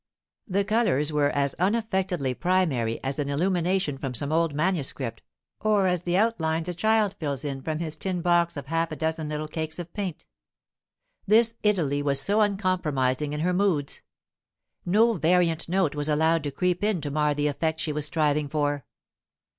The colours were as unaffectedly primary as an illumination from some old manuscript, or as the outlines a child fills in from his tin box of half a dozen little cakes of paint. This Italy was so uncompromising in her moods. No variant note was allowed to creep in to mar the effect she was striving for.